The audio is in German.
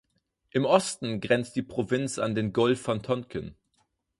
Im Osten grenzt die Provinz an den Golf von Tonkin.